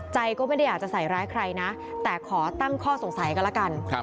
ใจก็ไม่ได้อยากจะใส่ร้ายใครนะแต่ขอตั้งข้อสงสัยกันแล้วกัน